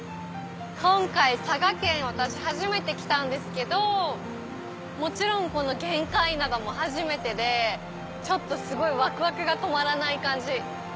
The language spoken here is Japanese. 今回佐賀県私初めて来たんですけどもちろんこの玄界灘も初めてでちょっとすごいワクワクが止まらない感じ。